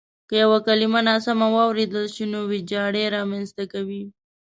که یوه کلیمه ناسمه واورېدل شي نو وېجاړی رامنځته کوي.